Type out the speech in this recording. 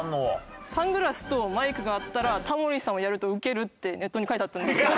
「サングラスとマイクがあったらタモリさんをやるとウケる」ってネットに書いてあったんですけど。